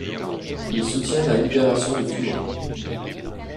Il soutient la libération de Toulon.